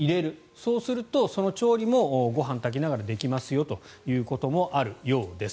そうすると、その調理もご飯を炊きながらできますよということもあるようです。